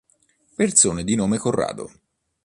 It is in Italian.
Persone di nome Corrado